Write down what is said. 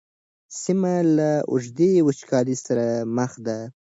سیمه له اوږدې وچکالۍ سره مخ ده.